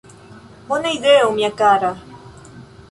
Bona ideo, mia kara!